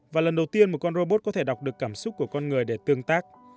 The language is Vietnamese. và lần đầu tiên một con robot có thể đọc được cảm xúc của con người để tương tác